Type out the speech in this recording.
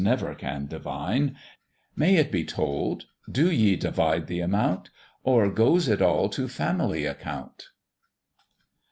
never can divine: May it be told, do ye divide th' amount, Or goes it all to family account?"